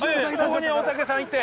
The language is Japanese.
ここに大竹さんいて。